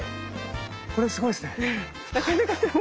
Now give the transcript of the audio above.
これすごいっすね。